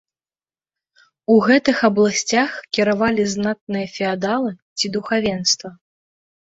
У гэтых абласцях кіравалі знатныя феадалы ці духавенства.